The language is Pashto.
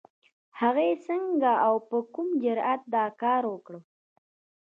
هغې څنګه او په کوم جرئت دا کار وکړ؟